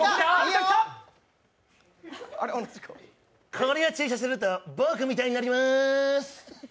これを注射すると、僕みたいになりまーす。